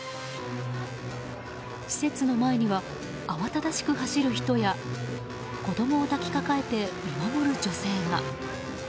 施設の前にはあわただしく走る人や子供を抱きかかえて見守る女性が。